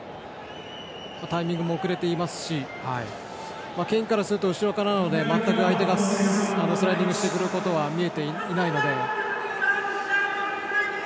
タイミングも遅れていますしケインからすると後ろからなのでスライディングは見えていないので。